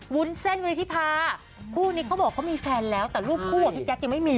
วุ้นเส้นกันด้วยที่พาคู่นี้เขาบอกว่าเขามีแฟนแล้วแต่รูปคู่อะพี่แจ๊กยังไม่มี